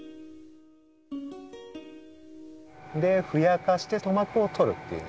ふやかして塗膜をとるっていう。